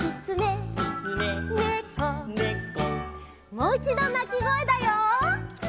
もういちどなきごえだよ。